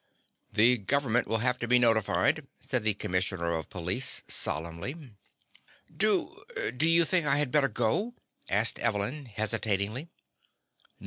"The government will have to be notified," said the commissioner of police solemnly. "Do do you think I had better go?" asked Evelyn hesitatingly.